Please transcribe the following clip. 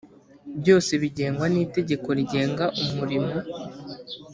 byose bigengwa n ‘itegeko rigenga umurimo.